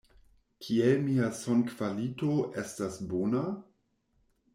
Kiel mia sonkvalito estas bona?